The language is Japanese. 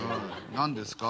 何ですか？